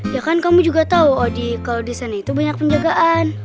ya kan kamu juga tahu kalau di sini itu banyak penjagaan